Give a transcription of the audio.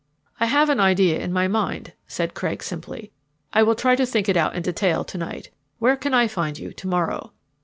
"I have an idea in my mind," said Craig simply. "I will try to think it out in detail to night. Where can I find you to morrow?"